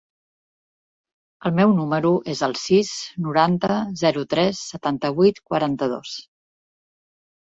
El meu número es el sis, noranta, zero, tres, setanta-vuit, quaranta-dos.